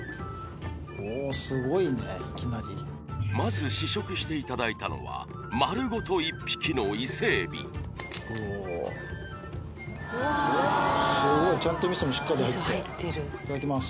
おおすごいねいきなりまず試食していただいたのは丸ごと１匹のイセエビおおっすごいちゃんとミソもしっかり入っていただきます